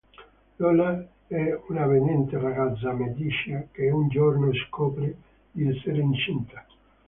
Lola è un'avvenente ragazza meticcia che un giorno scopre di essere incinta.